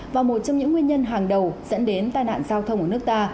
và một trong những nguyên nhân hàng đầu dẫn đến tai nạn giao thông ở nước ta